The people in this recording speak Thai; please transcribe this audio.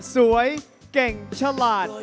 สวยเก่งฉลาด